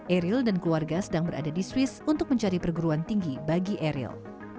eril dan keluarga sedang berada di swiss untuk mencari perguruan tinggi bagi eril